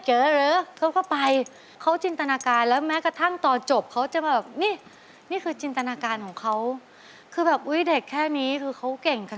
เชียบมากและก็ไภเลาะมากสุดยอดนะ